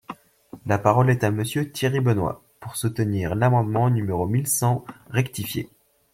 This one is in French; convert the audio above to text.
La parole est à Monsieur Thierry Benoit, pour soutenir l’amendement numéro mille cent rectifié.